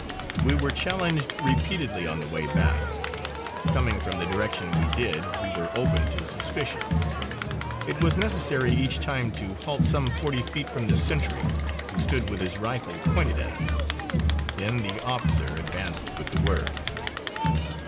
We were challenged repeatedly on the way back. Coming from the direction we did we were open to suspicion. It was necessary each time to halt some forty feet from the sentry, who stood with his rifle pointed at us. Then the officer advanced with the word.